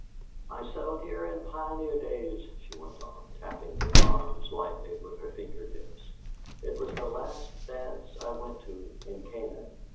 "I settled here in pioneer days," she went on, tapping the arms lightly with her finger tips. "It was the last dance I went to in Canaan."